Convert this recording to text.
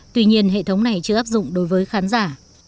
tuy nhiên hệ thống này chưa áp dụng đối với khán giả